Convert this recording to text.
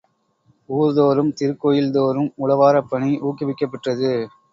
ஊர்தோறும், திருக்கோயில் தோறும் உழவாரப்பணி ஊக்குவிக்கப் பெற்றது.